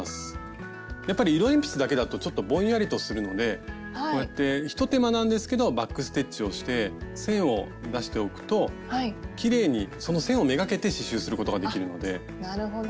やっぱり色鉛筆だけだとちょっとぼんやりとするのでこうやって一手間なんですけどバック・ステッチをして線を出しておくときれいにその線を目がけて刺しゅうすることができるので。